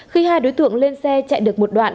khi hai đối tượng lên xe chạy được một đoạn